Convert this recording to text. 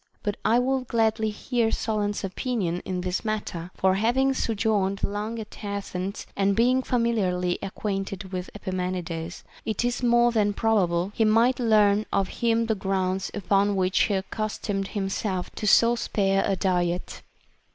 But I would gladly hear Solon's opin ion in this matter ; for having sojourned long at Athens and being familiarly acquainted with Epimenides, it is more than probable he might learn of him the grounds upon which he accustomed himself to so spare a diet.